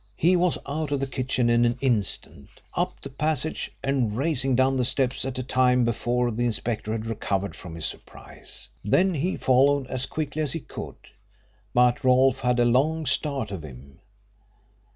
He was out of the kitchen in an instant, up the passage, and racing down three steps at a time before the inspector had recovered from his surprise. Then he followed as quickly as he could, but Rolfe had a long start of him.